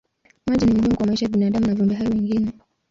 Maji ni muhimu kwa maisha ya binadamu na viumbe hai wengine.